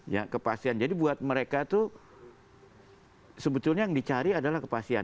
ya kepastian jadi buat mereka tuh sebetulnya yang dicari adalah kepastian